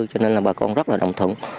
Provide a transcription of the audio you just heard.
cho nên là bà con rất là đồng thuận